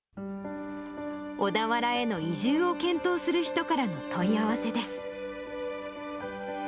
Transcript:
小田原への移住を検討する人からの問い合わせです。